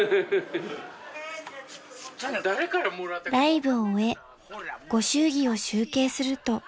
［ライブを終えご祝儀を集計すると］